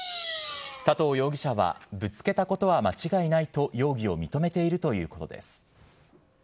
佐藤容疑者はぶつけたことは間違いないと容疑を認めているということです。